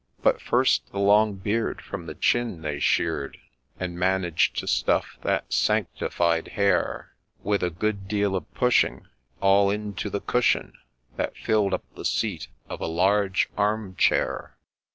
But first the long beard from the chin they shear'd, And managed to stuff that sanctified hair, With a good deal of pushing, all into the cushion That filled up the seat of a large arm chair.